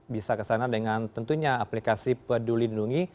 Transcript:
bisa kesana dengan tentunya aplikasi peduli lindungi